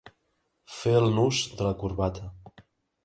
Fer el nus de la corbata.